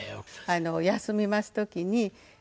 休みます時に。